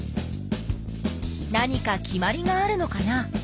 何か決まりがあるのかな？